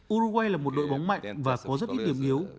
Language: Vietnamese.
uruguay là một đội bóng mạnh và có rất ít điểm yếu